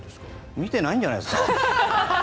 見てないんじゃないですか。